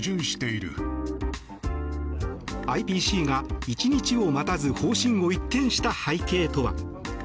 ＩＰＣが１日を待たず方針を一転した背景とは？